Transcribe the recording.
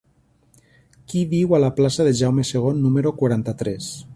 Qui viu a la plaça de Jaume II número quaranta-tres?